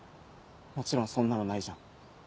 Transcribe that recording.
もちろんそんなのないじゃん。